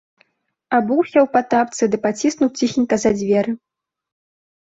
Абуўся ў патапцы ды паціснуў ціхенька за дзверы.